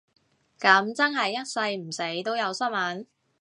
噉真係一世唔死都有新聞